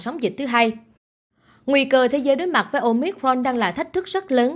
nguy cơ thế giới đối mặt với omicron đang là thách thức rất lớn